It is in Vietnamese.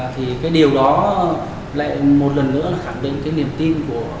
thì cái điều đó lại một lần nữa là khẳng định cái niềm tin của